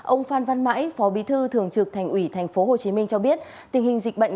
ông phan văn mãi phó bí thư thường trực thành ủy tp hcm cho biết tình hình dịch bệnh